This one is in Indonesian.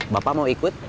bapak mau ikut